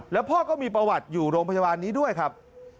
แล้วพ่อก็มีประวัติอยู่โรงพยาบาลนี้ด้วยครับ